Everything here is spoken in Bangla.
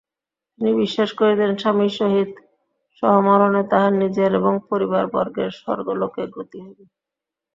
তিনি বিশ্বাস করিতেন, স্বামীর সহিত সহমরণে তাঁহার নিজের এবং পরিবারবর্গের স্বর্গলোকে গতি হইবে।